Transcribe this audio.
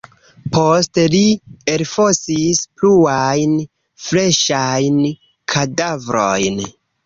Poste li elfosis pluajn freŝajn kadavrojn.